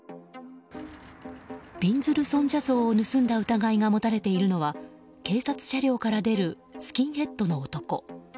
びんずる尊者像を盗んだ疑いが持たれているのは警察車両から出るスキンヘッドの男。